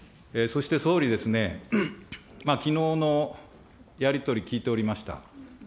そして総理、きのうのやり取り聞いておりました。